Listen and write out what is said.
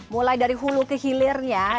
mulai dari hulu ke hilirnya